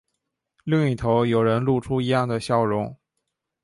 另一头有人露出一样的笑容